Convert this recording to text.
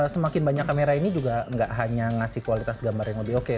semakin banyak kamera ini juga nggak hanya ngasih kualitas gambar yang lebih oke